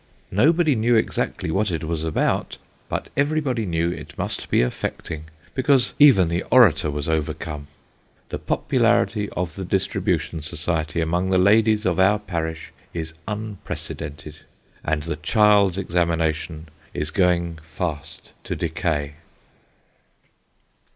Nobody knew exactly what it was about, but everybody knew it must be affecting, because even the orator was overcome. The popularity of the distribution society among the ladies of our parish is unprecedented ; and the child's examination is going fast to decay.